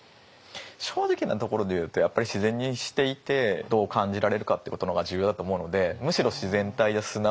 正直なところで言うとやっぱり自然にしていてどう感じられるかっていうことの方が重要だと思うのでむしろ難しいですね。